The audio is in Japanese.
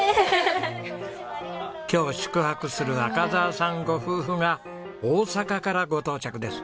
今日宿泊する赤澤さんご夫婦が大阪からご到着です。